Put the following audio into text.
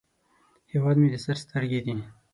هیواد مې د سر سترګې دي